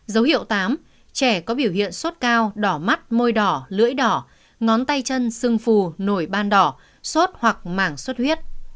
dấu hiệu tám trẻ có biểu hiện sốt cao đỏ mắt môi đỏ lưỡi đỏ ngón tay chân sưng phù nổi ban đỏ sốt hoặc mảng xuất huyết